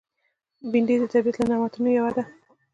بېنډۍ د طبیعت له نعمتونو یوه ده